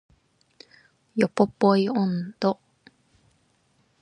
ヨポポイ音頭